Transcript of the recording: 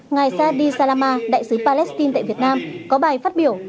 ngài sa di salama đại sứ palestine tại việt nam có bài phát biểu